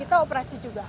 kita operasi juga